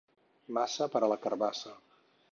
Massa per a la carabassa.